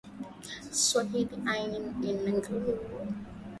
Swahili aina nguvu